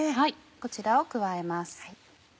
こちらを加えます。